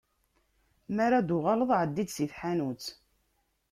Mi ara d-tuɣaleḍ, εeddi-d si tḥanut.